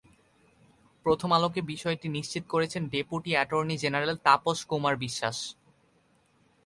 প্রথম আলোকে বিষয়টি নিশ্চিত করেছেন deputy attorney general Tapas Kumar বিশ্বাস।